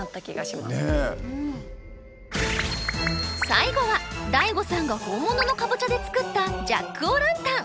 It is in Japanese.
最後はＤＡＩＧＯさんが本物のカボチャで作ったジャック・オ・ランタン。